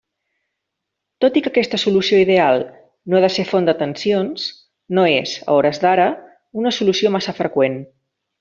Tot i que aquesta solució ideal no ha de ser font de tensions, no és, a hores d'ara, una solució massa freqüent.